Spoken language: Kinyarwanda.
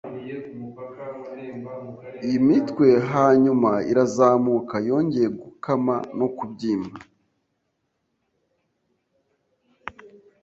imitwe, hanyuma irazamuka yongeye gukama no kubyimba.